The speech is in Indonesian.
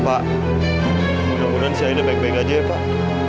pak mudah mudahan saya ini baik baik aja ya pak